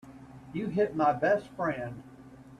You hit my best friend.